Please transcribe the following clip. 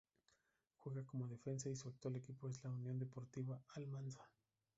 Juega como defensa y su actual equipo es la Unión Deportiva Almansa.